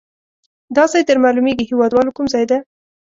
دا ځای در معلومیږي هیواد والو کوم ځای ده؟